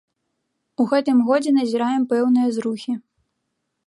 У гэтым годзе назіраем пэўныя зрухі.